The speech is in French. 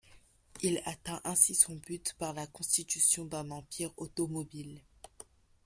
Il atteint ainsi son but par la constitution d'un empire automobile.